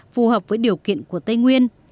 phù hợp với điều kiện của tây nguyên